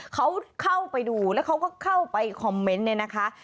เขาเข้าไปดูแล้วเขาก็เข้าไปคอมเมนต์เนี่ยนะคะ